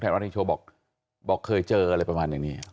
แทนว่าที่โชว์บอกเคยเจออะไรประมาณอย่างนี้